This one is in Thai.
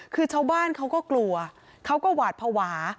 คือชาวบ้านเขาก็กลัวเขาก็หวาดภาวะ